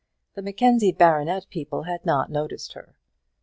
The Mackenzie baronet people had not noticed her.